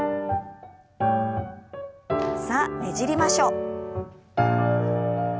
さあねじりましょう。